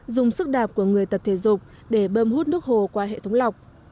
dùng sức đạp của người tập thể dục để bơm hút nước hồ qua hệ thống lọc